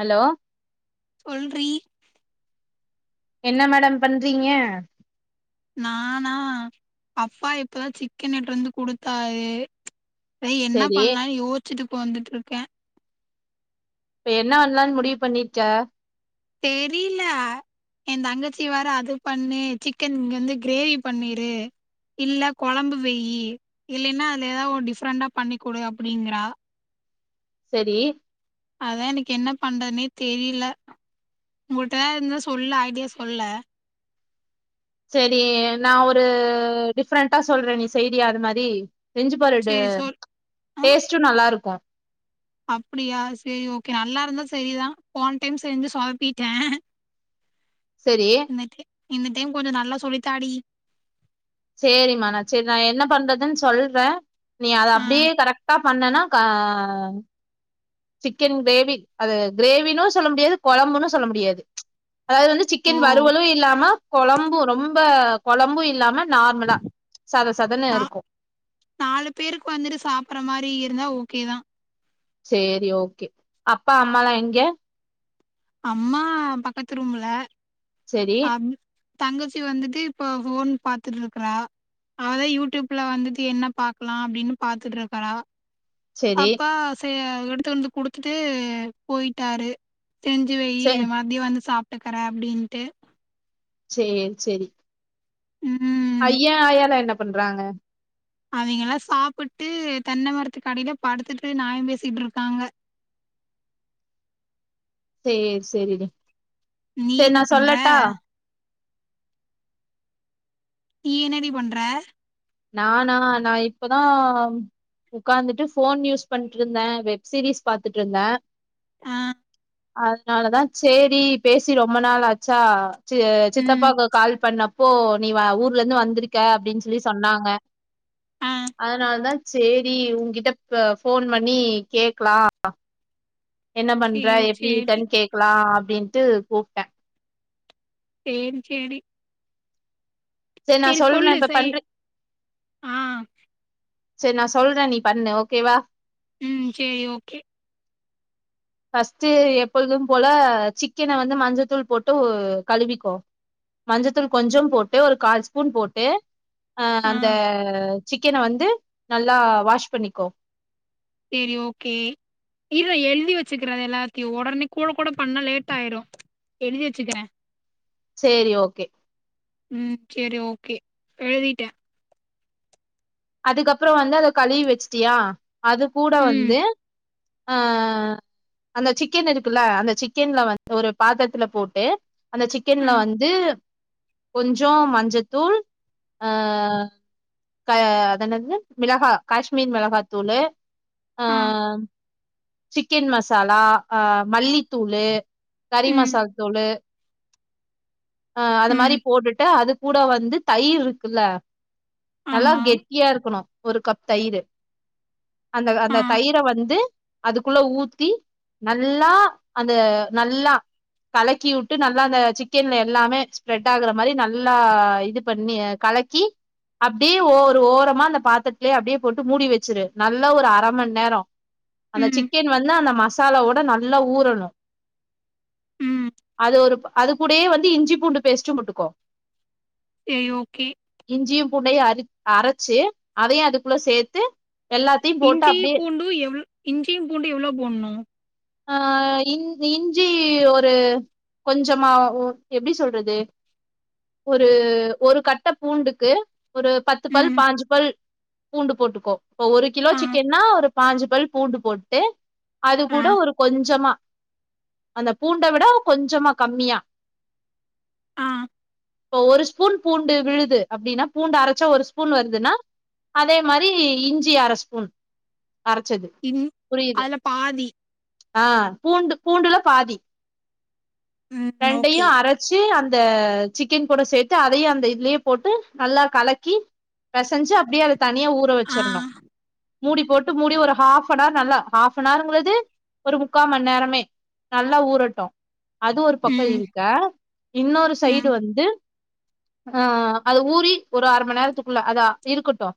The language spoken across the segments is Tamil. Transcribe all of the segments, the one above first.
ஹலோ சொல்றி என்ன மேடம் பண்றீங்க நானா அப்பா இப்பதா சிக்கன் எட்துட் வந்து குடுத்தாரு அதா என்ன செரி பண்ணலானு யோச்சுட்டு ஒக்காந்துட்ருக்கே இப்ப என்ன பண்ணலானு முடிவு பண்ணிருக்க தெரில எயா தங்கச்சி வேற அது பண்ணு சிக்கன் வந்து க்ரேவி பண்ணிரு இல்ல கொழம்பு வெய்யி இல்லன்னா அதுல எதா ஒரு டிஃப்ரெண்டா பண்ணிக்குடு அப்டீங்கிறா செரி அதா எனக்கு என்ன பண்றதுன்னே தெரில உங்கள்ட்ட எதாருந்தா சொல்லே ஐடியா சொல்லே சேரி நா ஒரு டிஃப்ரெண்டா சொல்றே நீ செய்றீயா அது மாரி செஞ்சு பாரு இடு சேரி சொல் டேஸ்ட்டோ நல்லாருக்கோ அப்புடியா சேரி ஓகே நல்லாருந்தா செரிதா போன டைம் செஞ்சு சொதப்பிட்டே செரி இந்த டெய் இந்த டைம் கொஞ்சோ நல்லா சொல்லித் தா டி சேரிமா நா சேரி நா என்ன பண்றதுன்னு சொல்றே நீ அத ஆ அப்டியே கரெக்ட்டா பண்ணனா ஆ சிக்கன் கிரேவி அது கிரேவினோ சொல்ல முடியாது கொழம்புனு சொல்ல முடியாது அதாவது வந்து ஓ சிக்கன் வறுவலு இல்லாம கொழம்பு ரொம்ப கொழம்பு இல்லாம நார்மலா சத சதன்னு நா இருக்கோ நாலு பேருக்கு வந்துட்டு சாப்புற மாரி இருந்தா ஓகே தா சேரி ஓகே அப்பா அம்மாலா எங்க அம்மா பக்கத்து ரூமுல செரி அப் தங்கச்சி வந்துட்டு இப்ப ஃபோன் பாத்துட்ருக்குறா அதா யூ டியூப்ல வந்துட்டு என்ன பாக்கலா அப்டின்னு பாத்துட்ருக்கறா செரி அப்பா ச எடுத்து வந்து குடுத்துட்டு போய்ட்டாரு செஞ்சி வெய்யி செ மதியோ வந்து சாப்ட்டுக்குறே அப்டீன்ட்டு சேர் செரி ம் ஐயா ஆயாலா என்ன பண்றாங்க அவிங்கலா சாப்புட்டு தென்ன மரத்துக்கடில படுத்துட்டு நாயம் பேசிட்ருக்காங்க சேர் செரி டீ நீ செரி என்ன நா பண்ற சொல்லட்டா நீ என்னடி பண்ற நானா நா இப்பதா ஒக்காந்துட்டு ஃபோன் யூஸ் பண்ட்ருந்த வெப் சீரீஸ் பாத்துட்ருந்த ஆ அதனாலதா சேரி பேசி ரொம்ப நாளாச்சா சி ம் சித்தப்பாக்கு கால் பண்ண இப்போ நீ வ ஊர்ல இருந்து வந்திருக்க அப்டீன்னு சொல்லி சொன்னாங்க ஆ அதனால தா சேரி ஊ கிட்ட ப ஃபோன் பண்ணி கேக்லா என்ன பண்ற சேரி எப்டி சேரி இருக்கன் கேக்லா அப்டீன்ட்டு கூப்ட்ட தேன் சேடி நா செரி சொல்றே சொல்லு இப்ப செய் பண்றே ஆ செரி நா சொல்ற நீ பண்ணு ஓகேவா ம் செரி ஓகே ஃபர்ஸ்ட்டு எப்பொழுதும் போல சிக்கன வந்து மஞ்சத்தூள் போட்டு கழுவிக்கோ மஞ்சத்தூள் கொஞ்சோம் போட்டு ஒரு கால் ஸ்பூன் போட்டு ஆ அந்த சிக்கன வந்து நல்லா வாஷ் பண்ணிக்கோ செரி ஓகே இல்ல எழுதி வெச்சுக்கறது எல்லாத்தையு ஒடனே கூட கூட பண்ணா லேட்டாயிடோ எழுதி வெச்சுக்கிற செரி ஓகே ம் செரி ஓகே எழுதிட்ட அதுக்கப்புறோ வந்து அத கழுவி வெச்சுட்டியா அது கூட ம் வந்து அ அந்த சிக்கன் இருக்குல்ல அந்த சிக்கன்ல வ ஒரு பாத்தரத்துல போட்டு அந்த ஆ சிக்கன்ல வந்து கொஞ்சோ மஞ்சத்தூள் அ க அத என்னது மிளகா காஷ்மீர் மிளகாத்தூளு ஆ சிக்கன் மசாலா அ மல்லித்தூளு கறி ம் மசால் தூளு அ அது ம் மாரி போட்டுட்டு அது கூட வந்து தயிர் இருக்குல்ல நல்லா ஆமா கெட் இருக்கணு ஒரு கப் தயிறு அந்த அந்த ஆ தயிர வந்து அதுக்குள்ள ஊத்தி நல்லா அது நல்லா கலக்கிவூட்டு நல்லா அந்த சிக்கன்ல எல்லாமே ஸ்ப்ரெட் ஆகற மாரி நல்லா இது பண்ணி கலக்கி அப்டே ஓ ஒரு ஓரமா அந்த பாத்தரத்துலே அப்படியே போட்டு மூடி வெச்சுரு நல்லா ஒரு அரமண் நேரோ அந்த ம் சிக்கன் வந்து அந்த மசாலாவோட நல்லா ஊறணு ம் அது ஒரு அது கூடயே வந்து இஞ்சி பூண்டு பேஸ்ட்டு பொட்டுக்கோ ஏய் ஓகே இஞ்சியு பூண்டயு அரி அரைச்சி அதையு அதுக்குள்ள சேத்து எல்லாத்தையு போட்டு இஞ்சீ அப்டியே பூண்டு எவ்ளோ இஞ்சியு பூண்டு எவ்வளோ போடணு ஆ இன் இஞ்சி ஒரு கொஞ்சமா ஒ எப்டி சொல்றது ஒரு ஒரு கட்ட பூண்டுக்கு ஒரு பத் து பல் ம் பாஞ்சு பல் பூண்டு போட்டுக்கோ இப்போ ஒரு கிலோ ஆ சிக்கன்னா ஒரு பாஞ்சு பல் பூண்டு போட்டு அது ஆ கூட ஒரு கொஞ்சமா அந்த பூண்ட விட கொஞ்சமா கம்மியா ஆ இப்ப ஒரு ஸ்பூன் பூண்டு விழுது அப்டின்னா பூண்டு அரைச்சா ஒரு ஸ் பூன் வருதுன்னா அதே மாரி இஞ்சி அர ஸ்பூன் அரைச்சது இன் அதுல பாதி அ பூண்டு பூண்டுல பாதி ம் ரெண்டையு ஓகே அர ச்சு அந்த சிக்கன் கூட சேத்து அதையு அந்த இதுலயே போட்டு நல்லா கலக்கி பெசஞ்சு அப்படியே அது தனியா ஊற ஆ வெச்சரனு மூடி போட்டு மூடி ஒரு ஹாஃப் அனர் நல்லா ஹாஃப் அனருங்கிறது ஒரு முக்கா மண் நேரமே நல்லா ஊரட்டு அது ஒரு பக்கோ ம் இருக்க இன்னொரு ம் சைடு வந்து அ அது ஊறி ஒரு அரை மண் நேரத்துக்குள்ள அதா இருக்கட்டு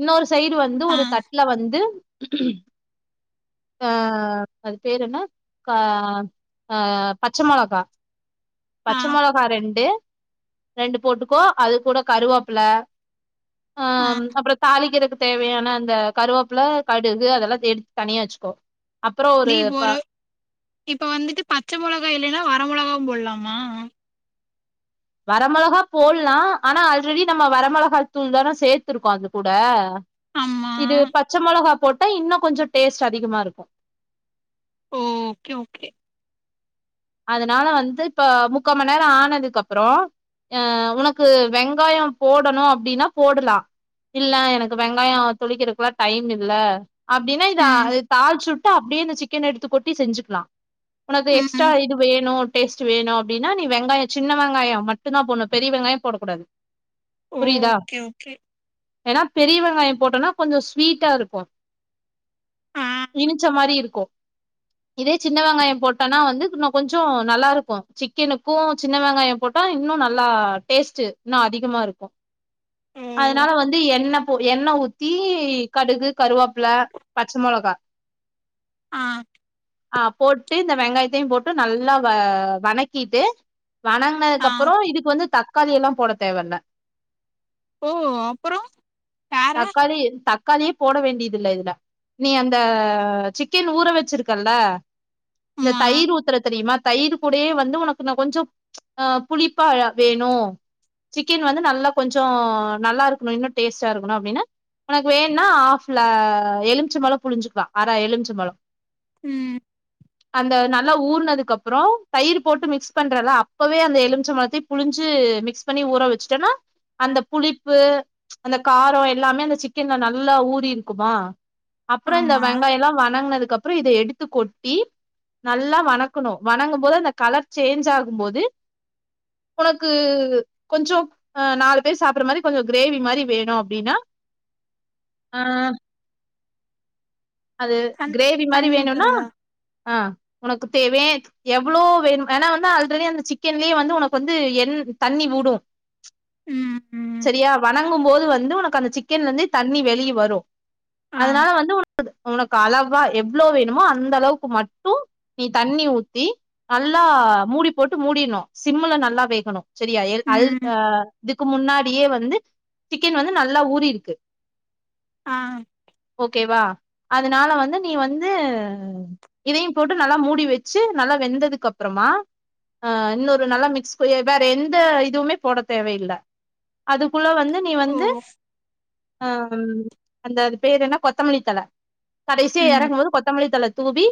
இன்னொரு சைடு வந்து ஆ ஒரு தட்டுல வந்து க அது பேரு என்ன கா அ பச்ச மொளகா ஆ பச்ச மொளகா ரெண்டு ரெண்டு போட்டுக்கோ அது கூட கருவேப்புல்ல அ ஆ அப்பறோ தாலிக்கிறது தேவையான அந்த கருவேப்புல கடுகு அதெல்லா எடுத்து தனியா வெச்சுக்கோ நீ போரு இப்ப வந்துட்டு பச்ச மொளகா இல்லைன்னா வர மொளகாவு போடலாமா வர மொளகா போடலா அனா அல்ரெடி நம்ம வரமொளகா தூள் தான சேர்த்துருக்கோ அது கூட ஆமா இது பச்ச மொளகா போட்டா இன்னு கொஞ்சோ டேஸ்ட் அதிகமா இருக்கு ம் ஓகே ஓகே அதனால வந்து இப்ப முக்கா மண் நேரோ ஆனதுக்கப்பறோ அ உனக்கு வெங்காயோ போடணு அப்டின்னா போடலா இல்ல எனக்கு வெங்காயோ தொளிக்றக்லா டைம் இல்ல அப்டின்னா இதா ம் ‌தாள்ச்சுட்டு அப்டியே இந்த சிக்கன எடுத்து கொட்டி செஞ்சுக்லா ஒனக்கு எக்ஸ் ட்டா ம் இது வேணு டேஸ்ட்டு வேணு அப்டின்னா நீ வெங்காயோ சின்ன வெங்காயோ மட்டுந்தா போட்ணு பெரிய வெங்காயோ போடக்கூடாது புரிதா ஓகே ஓகே ஏனா பெரிய வெங்காயோ போட்டோனா கொஞ்சோ ஸ்வீட்டாருக்கு ஆ இனிச்ச மாரி இருக்கு இதே சின்ன வெங்காயோ போட்டனா வந்து இன்னு கொஞ்சோ நல்லாருக்கு சிக்கனுக்கு சின்ன வெங்காயோ போட்டா இன்னு நல்லா டேஸ்ட்டு இன்னு அதிகமாருக்கு அதனால ஓ வந்து எண்ண போ எண்ண ஊத்தி கடுகு கருவாப்ல பச்ச மொளகா ஆ ஆ போட்டு இந்த வெங்காயத்தையு போ ட்டு நல்லா வ வணக்கிட்டு ஆ வணங்னதுக்கப்பறோ இதுக்கு வந்து த க்காளியெல்லா போட தேவல்ல ஓ அப்பறோ தக்காளி தக்காளியே போட வேண்டிதில்ல இதுல நீ அந்த சிக்கன் ஊற வச்சுருக்கல்ல இந்த ஆமா தயிர் ஊத்துற தெரிமா தயிர் கூடயே வந்து ஒனக்கு இன்னு கொஞ்சோ ஆ புளிப்பா வேணு சிக்கன் வந்து நல்லா கொஞ்சோ நல்லாருக்கணு இன்னு டேஸ்ட்டா இருக்கணு அப்டின்னா ஒனக்கு வேண்ணா ஹாஃப் ல எலுமிச்ச பழோ புழிஞ்சுக்லா அர எலுமிச்ச பழோ ம் அந்த நல்லா ஊற்ன துக்கப்பறோ தயிர் போட்டு மிக்ஸ் பண்றல அப்பவே அந்த எலுமிச்சம்பழத்தயு புழிஞ்சு மிக்ஸ் பண்ணி ஊற வச்சுட்டன்னா அந்த புளிப்பு அந்த காரோ எல்லாமே அந்த சிக்கன்ல நல்லா ஊறிருக்குமா அப்றோ இந்த ஆமா வெங்காயல்லா வணங்னதுக்கப்றோ இத எடுத்து கொட்டி நல்லா வண க்கணு வணங்கம்போது அந்த கலர் சேஞ்ச்சாகும்போது ஒனக்கு கொஞ்சோ ஆ நாலு பேரு சாப்புற மாரி கொஞ்சோ கிரேவி மாரி வேணு அப்டின்னா ஆ அது தண் க்ரேவி மாரி தண்ணி வேணுனா ஊத்துறதா ஆ ஒனக்கு தேவே எவ்ளோ வேணு ஏனா வந்து ஆல்ரெடி அந்த சிக்கன்லயே வந்து ஒனக்கு வந்து எண் தண்ணி வுடு ம் ம் செரியா வணங்கம்போது வந்து ஒனக்கு அந்த சிக்கன்லந்தே தண்ணி வெளிய வரு ஆ அதனால வந்து ஒ ஒனக்கு அளவா எவ்ளோ வேணுமோ அந்தளவுக்கு மட்டு நீ தண்ணி ஊத்தி நல்லா மூடி போட்டு மூடிணு சிம்முல நல்லா வேகணு செரியா எல் அல் ம் ஆ இதுக்கு முன்னாடியே வந்து சிக்கன் வந்து நல்லா ஊறிருக்கு ஆ ஓகேவா அதனால வந்து நீ வந்து இதையு போட்டு நல்லா மூடி வச்சு நல்லா வெந்ததுக்கப்றமா ஆ இன்னொரு நல்லா மிக்ஸ் வேற எந்த இதுவ்மே போட தேவயில்ல அதுக்குள்ள வந்து நீ ஓ வந்து ஆ ம் அந்த அது பேர் என்ன கொத்தமல்லி தழ கடைசியா ம் எறக்கும்போது கொத்தமல்லி தழ தூவி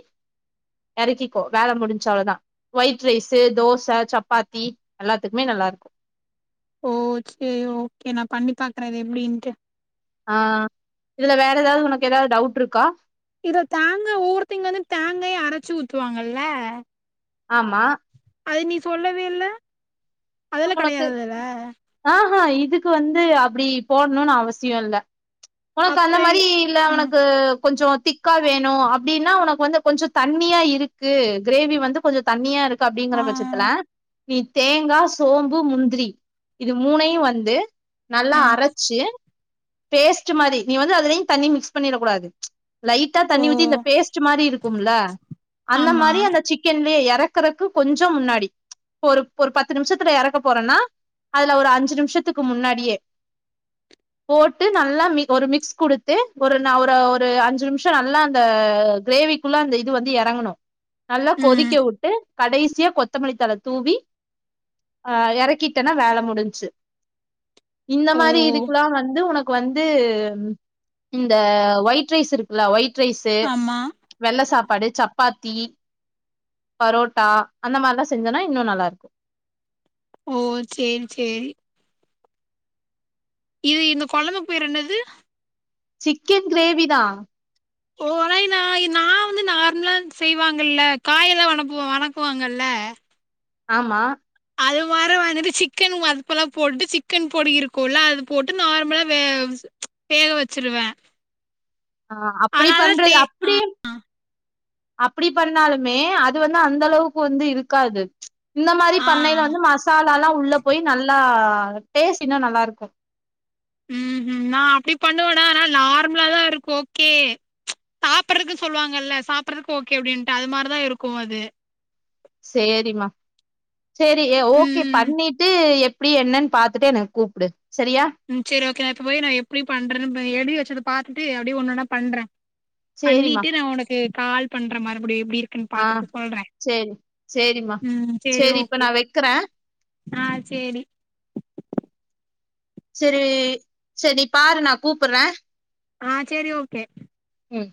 எறக்கிக்கோ வேல முடின்ச்சு அவ்ள தா வொய்ட் ரைஸு தோச சப்பாத்தி எல்லாத்துக்குமே நல்லாருக்கு ஓ சேரி ஓகே நா பண்ணி பாக்குறே இது எப்டின்ட்டு ஆ இதுல வேற எதாவ்து ஒனக்கு எதாவ்து டவுட்ருக்கா இத தேங்கா ஒவ்வொருத்தைங்க வந்து தேங்காய அரச்சு ஊத்துவாங்கல்ல ஆமா அது நீ சொல்லவே இல்ல அதெல்லா உங்களுக்கு கெடையாதுல்ல ஆஹ இதுக்கு வந்து அப்டி போடணுனு அவசியோ இல்ல உனக்கு அந்த அப்றோ மாரி இல்ல ம் உனக்கு கொஞ்சோ திக் க்கா வேணு அப்டின்னா உனக்கு வந்து கொஞ்ச தண்ணியா இருக்கு கிரேவி வந்து கொஞ்ச தண்ணியா இரு அப்டிங்கிற ஆ பட்சத்துல நீ தேங்கா சோம்பு முந்திரி இது மூணையு வந்து நல்லா ஆ அரைச்சு பேஸ்ட் மாரி நீ வந்து அதுலயு தண்ணி மிக்ஸ் பண்ணிடக் கூடாது லைட்டா ஓ தண்ணி ஊத்தி இந்த பேஸ்ட் மாரி இருக்கும்ல அந்த ஆமா மாரி அந்த சிக்கன்லே இற க்கறக்கு கொஞ்ச முன்னாடி ஒரு ஒரு பத்து நிமிஷத்துல இறக்க போறோன்னா அதுல ஒரு அஞ்சு நிமிஷத்துக்கு முன்னாடியே போட்டு நல்லா மி ஒரு மிக்ஸ் குடுத்து ஒரு ந ஒரு ஒரு அஞ்சு நிமிஷ நல்லா அந்த கிரேவி ஃபுல்லா அந்த இது வந்து இறங்கணு நல்லா ம் கொதிக்க விட்டு கடைசியா கொத்த மல்லித்தலை தூவி ஆ இறக்கிட்டேன்னா வேலை முடிஞ்சு இந்த ஓ மாரி இதுக்குல்லா வந்து து உனக்கு வந்து இந்த ஒயிட் ரைஸ் இருக்குல்ல ஒயிட் ரைஸ் து ஆமா வெள்ள சாப்பாடு சப்பாத்தி பரோட்டா அந்த மாரிலா செஞ்சோன்னா இன்னு நல்லாருக்கு ஓ சேரி சேரி இது இந்த கொலம்பு பேர் என்னது சிக்கன் கிரேவி தா ஓ நய் நா வந்து நார்மலா செய்வாங்கல்ல காயெல்லா வணக்குவோ வணக்குவாங்கல்ல ஆமா அது மாரி வந்துட்டு சிக்கன் அதுப்பலா போட்டுட்டு சிக்கன் பொடி இருக்கும்ல அது போட்டு நார்மலா வேவ்ஸ் வேக வச்சிருவே ஆ அப்படி அதனால பண்றது டே அப்டி அப்டி பண்ணாலுமே அது வந்து அந்த அளவுக்கு வந்து இருக்காது இந்த மாரி ஆ பண்ணையில வந்து மசாலா எல்லா உள்ள போய் நல்லா டேஸ்ட் இன்னு நல்லா இருக்கு ம்ஹு நா அப்டி பண்ணுவேனா ஆனா நார்மலா தா இருக்கு ஓகே சாப்பிடறக்கு சொல்லுவாங்கல்ல சாப்பறக்கு ஓகே அப்டின்னுட்டு அது மாரிதா இருக்கு அது சேரிமா சேரி ஓகே ம் பண்ணிட்டு எப்டி என்னன்னு பாத்துட்டு எனக்கு கூப்டு சரியா ம் செரி ஓகே நா இப்ப போய் நா எப்டி பண்றேன்னு எழுதி வச்சத பாத்துட்டு அப்டி ஒண்ணு ஒண்ணா பண்றே சேரிம்மா பண்ணிட்டு நா உனக்கு கால் பண்றே மறுபடியு எப்டி இருக்குன்னு ஆ பாத்துட்டு சொல்றே சேரி சேரிம்மா ம் சரி சேரி இப்ப ஓகே நா வெக்கிறே ஆ சேரி சரி சேரி நீ பாரு நா கூப்புறே ஆ சேரி ஓகே ம்